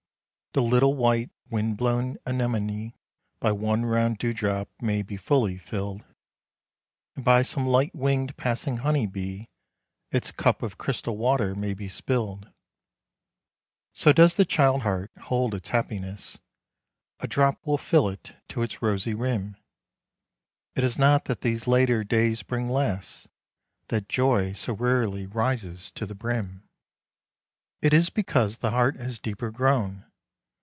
The little white, wind blown anemone By one round dewdrop may be fully filled, And by some light winged, passing honey bee Its cup of crystal water may be spilled. So does the child heart hold its happiness: A drop will fill it to its rosy rim. It is not that these later days bring less, That joy so rarely rises to the brim; It is because the heart has deeper grown.